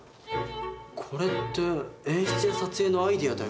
これって演出や撮影のアイデアだよね。